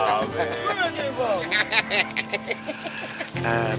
gue aja yang bau